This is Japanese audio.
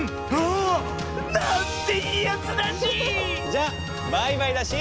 じゃバイバイだし！